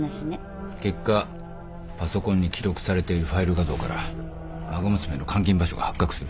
結果パソコンに記録されているファイル画像から孫娘の監禁場所が発覚する